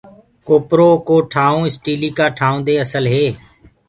ڪوپرو ڪو ٺآئون اسٽيلي ڪآ ٽآئونٚ دي اسل هي۔